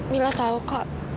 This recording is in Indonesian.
mila tahu kak